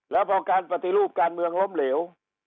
แล้วพอการปฏิรูปการเมืองล้มเหลว